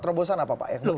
terobosan apa pak